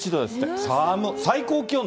最高気温。